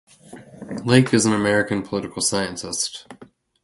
Lake is an American political scientist.